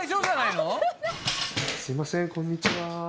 すいませんこんにちは。